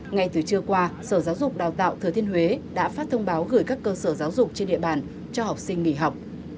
ngay từ trưa qua sở giáo dục đào tạo thừa thiên huế đã phát thông báo gửi các cơ sở giáo dục trên địa bàn cho học sinh nghỉ học